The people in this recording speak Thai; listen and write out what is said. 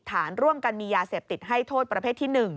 ฐานร่วมกันมียาเสพติดให้โทษประเภทที่๑